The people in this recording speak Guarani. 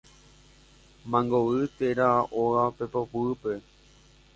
Mangoguy térã óga pepoguýpe